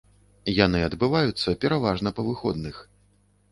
Яны адбываюцца пераважна па выходных.